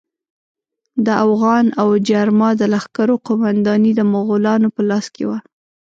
د اوغان او جرما د لښکرو قومانداني د مغولانو په لاس کې وه.